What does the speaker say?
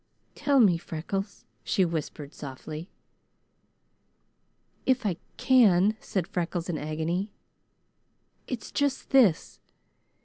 "Tell me, Freckles," she whispered softly. "If I can," said Freckles in agony. "It's just this.